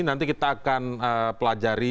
nanti kita akan pelajari